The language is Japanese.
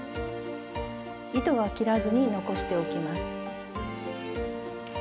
糸は切らずに残しておきます。